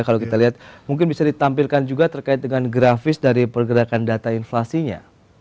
kalau kita lihat mungkin bisa ditampilkan juga terkait dengan grafis dari pergerakan data inflasinya